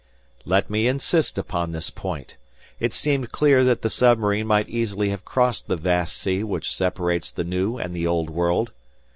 Let me insist upon this point. It seemed clear that the submarine might easily have crossed the vast sea which separates the New and the Old World.